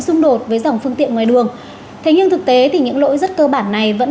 xung đột với dòng phương tiện ngoài đường thế nhưng thực tế thì những lỗi rất cơ bản này vẫn